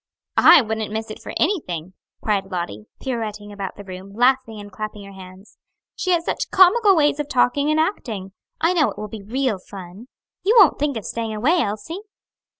"I wouldn't miss it for anything!" cried Lottie, pirouetting about the room, laughing and clapping her hands; "she has such comical ways of talking and acting. I know it will be real fun. You won't think of staying away, Elsie?"